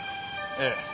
ええ。